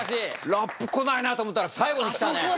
ラップ来ないなと思ったら最後に来たね！